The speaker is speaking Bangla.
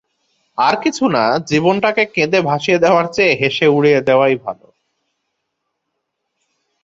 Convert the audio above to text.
আর-কিছু না, জীবনটাকে কেঁদে ভাসিয়ে দেওয়ার চেয়ে হেসে উড়িয়ে দেওয়াই ভালো।